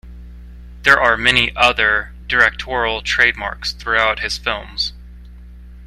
There are many other directorial trademarks throughout his films.